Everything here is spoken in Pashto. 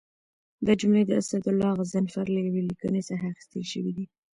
دا جملې د اسدالله غضنفر له یوې لیکنې څخه اخیستل شوي دي.